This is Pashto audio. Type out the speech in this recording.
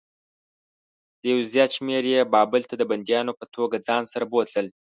یو زیات شمېر یې بابل ته د بندیانو په توګه ځان سره بوتلل.